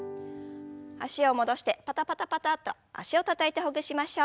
脚を戻してパタパタパタッと脚をたたいてほぐしましょう。